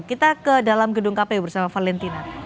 kita ke dalam gedung kpu bersama valentina